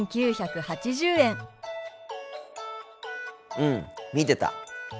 うん見てた。